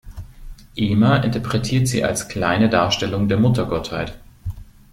Ehmer interpretiert sie als kleine Darstellungen der Muttergottheit.